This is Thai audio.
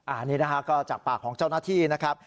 อันนี้นะฮะก็จากปากของเจ้าหน้าที่นะครับ